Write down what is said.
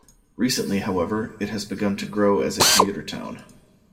Recently, however, it has begun to grow as a commuter town.